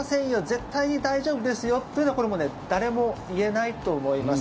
絶対に大丈夫ですよというのは誰も言えないと思います。